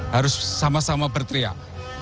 harus sama sama berteriak